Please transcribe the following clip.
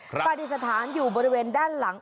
ปฏิสถานอยู่บริเวณด้านหลัง